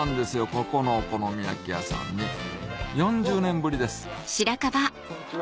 ここのお好み焼き屋さんに４０年ぶりですこんにちは。